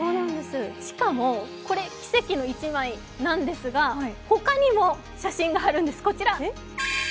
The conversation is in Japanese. しかも、これ奇跡の１枚なんですが他にも写真があるんです。